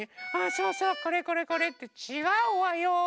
これこれこれ。ってちがうわよ！